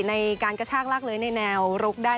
ในการกระชากลากเลื้อยในแนวรุกได้